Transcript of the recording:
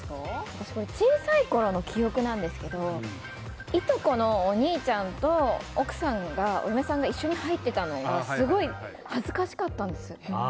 私、小さいころの記憶なんですけどいとこのお兄ちゃんとお嫁さんが一緒に入ってたのがすごい恥ずかしかったんです。